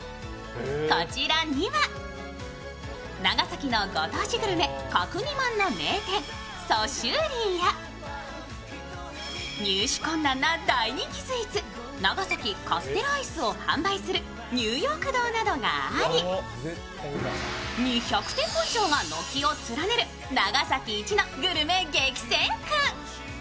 こちらには、長崎のご当地グルメ角煮まんの名店、蘇州林や入手困難な大人気スイーツ長崎カステラアイスを販売するニューヨーク堂などがあり、２００店舗以上が軒を連ねる長崎一のグルメ激戦区。